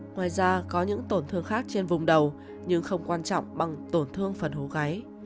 ngoài ra có những tổn thương khác trên vùng đầu nhưng không quan trọng bằng tổn thương phần hố gáy